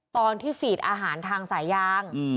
ตอนที่ฟีดอาหารทางสายยาง